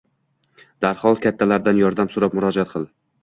darhol kattalardan yordam so‘rab murojaat qil.